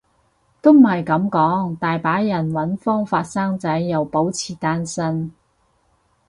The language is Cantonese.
都唔係噉講，大把人搵方法生仔又保持單身